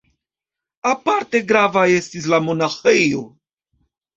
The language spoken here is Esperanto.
Aparte grava estis la monaĥejo.